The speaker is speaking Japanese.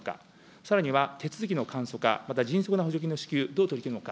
さらには手続きの簡素化、また迅速な補助金の支給、どう取り組むのか。